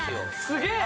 すげえ！